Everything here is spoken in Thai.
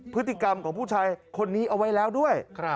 พฤติกรรมของผู้ชายคนนี้เอาไว้แล้วด้วย